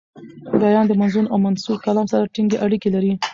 بیان د منظوم او منثور کلام سره ټینګي اړیکي لري.